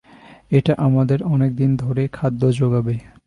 এটা আমাদের অনেকদিন ধরে খাদ্য যোগাবে।